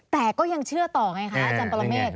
แต่ก็ยังเชื่อต่อไงคะอาจารย์ปรเมฆ